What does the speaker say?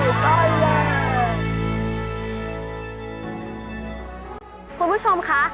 โอ้โหใครแหวะ